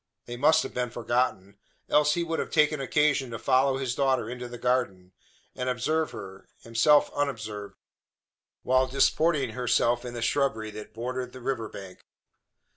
They must have been forgotten, else he would have taken occasion to follow his daughter into the garden, and observe her himself unobserved while disporting herself in the shrubbery that bordered the river bank.